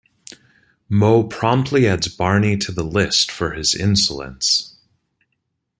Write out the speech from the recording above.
Moe promptly adds Barney to the list for his insolence.